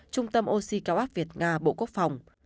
trung tâm oxy cao áp việt nga bộ quốc phòng